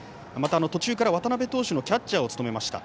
途中から渡辺投手のキャッチャーを務めました。